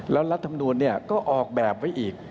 แล้วลัฐมนุนเนี่ยก็ออกแบบไว้อีก